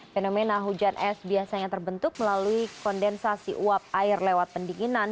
fenomena hujan es biasanya terbentuk melalui kondensasi uap air lewat pendinginan